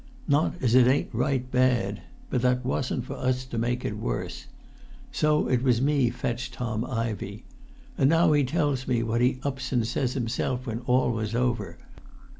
Not as it ain't right bad; but that wasn't for us to make it worse. So it was me fetched Tom Ivey. And now he tells me what he ups and says himself when all was over.